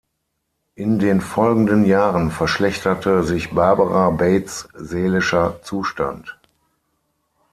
In den folgenden Jahren verschlechterte sich Barbara Bates seelischer Zustand.